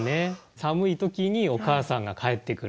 寒い時にお母さんが帰ってくる。